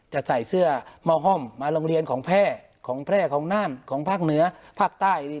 จะใส่เสื้อเมาห้อมมาโรงเรียนของแพร่ของแพร่ของน่านของภาคเหนือภาคใต้นี่